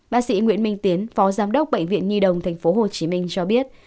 bác sĩ nguyễn minh tiến phó giám đốc bệnh viện nhi đồng tp hcm cho biết